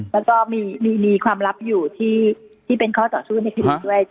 แล้วก็มีความลับอยู่ที่เป็นข้อต่อสู้ในคดีด้วย